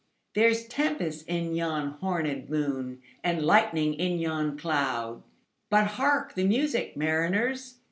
There's tempest in yon hornèd moon, And lightning in yon cloud:But hark the music, mariners!